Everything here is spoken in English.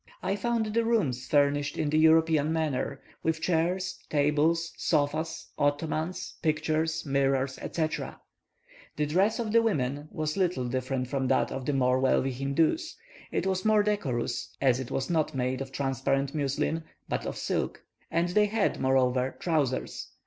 I found the rooms furnished in the European manner, with chairs, tables, sofas, ottomans, pictures, mirrors, etc. The dress of the women was little different from that of the more wealthy Hindoos; it was more decorous, as it was not made of transparent muslin, but of silk; and they had, moreover, trousers.